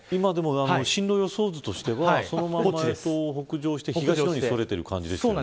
進路予想図としては北上して東の方にそれている感じですよね。